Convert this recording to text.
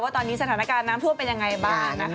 ว่าตอนนี้สถานการณ์น้ำพวกเป็นยังไงบ้าง